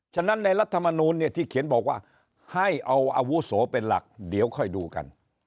ฉะนั้นในรัฐมนูลเนี่ยที่เขียนบอกว่าให้เอาอาวุโสเป็นหลักเดี๋ยวค่อยดูกัน